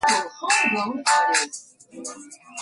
ee yaani chombo cha kutetea kilimo hichi